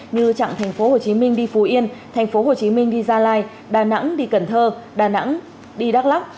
như trạng tp hcm đi phú yên tp hcm đi gia lai đà nẵng đi cần thơ đà nẵng đi đắk lắk